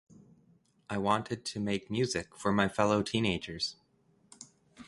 I wanted to make music for my fellow teenagers.